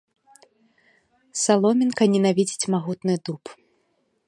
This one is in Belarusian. Саломінка ненавідзіць магутны дуб.